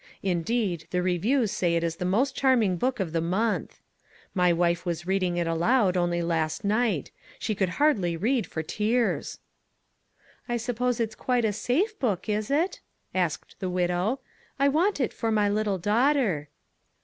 Indeed, the reviews say it's the most charming book of the month. My wife was reading it aloud only last night. She could hardly read for tears." "I suppose it's quite a safe book, is it?" asked the widow. "I want it for my little daughter."